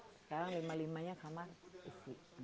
sekarang lima limanya kamar isi